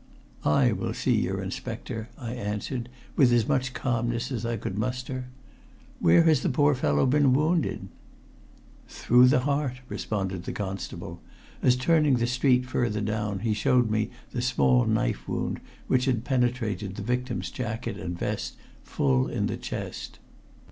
"I will see your inspector," I answered with as much calmness as I could muster. "Where has the poor fellow been wounded?" "Through the heart," responded the constable, as turning the sheet further down he showed me the small knife wound which had penetrated the victim's jacket and vest full in the chest.